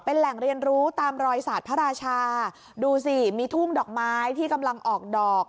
แหล่งเรียนรู้ตามรอยศาสตร์พระราชาดูสิมีทุ่งดอกไม้ที่กำลังออกดอก